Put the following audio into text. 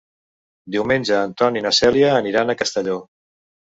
Diumenge en Ton i na Cèlia aniran a Castelló.